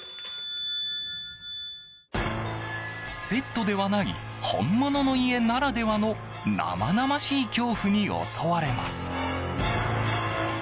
セットではない本物の家ならではの生々しい恐怖に襲われます。